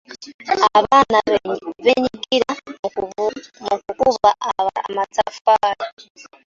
Abaana beenyigira mu kukuba amataffaali.